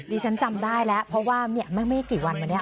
ฉันจำได้แล้วเพราะว่าไม่กี่วันมาเนี่ย